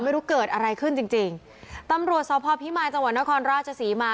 ไม่รู้เกิดอะไรขึ้นจริงจริงตำรวจสพพิมายจังหวัดนครราชศรีมา